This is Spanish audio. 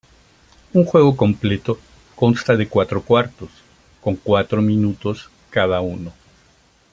Un juego completo consta de cuatro cuartos, con cuatro minutos cada uno.